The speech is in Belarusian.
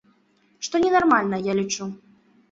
Што ненармальна, я лічу.